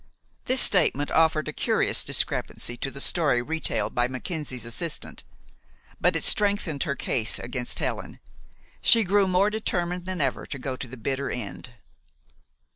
This statement offered a curious discrepancy to the story retailed by Mackenzie's assistant. But it strengthened her case against Helen. She grew more determined than ever to go on to the bitter end.